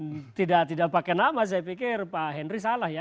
nama saya pun tidak pakai nama saya pikir pak henry salah ya